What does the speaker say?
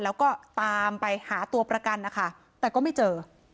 แล้วก็ตามไปหาตัวประกันนะคะแต่ก็ไม่เจอ